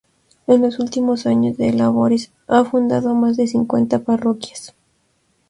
En los últimos años de labores ha fundado más de cincuenta parroquias.